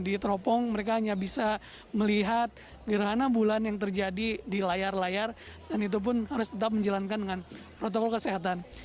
di teropong mereka hanya bisa melihat gerhana bulan yang terjadi di layar layar dan itu pun harus tetap menjalankan dengan protokol kesehatan